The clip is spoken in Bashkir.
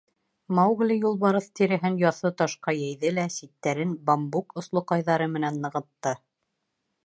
Маугли юлбарыҫ тиреһен яҫы ташҡа йәйҙе лә ситтәрен бамбук ослоҡайҙары менән нығытты.